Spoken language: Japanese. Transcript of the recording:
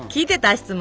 質問。